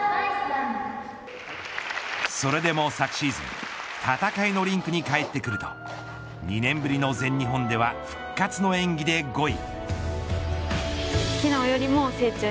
それでも昨シーズン戦いのリンクに帰ってくると２年ぶりの全日本では復活の演技で５位。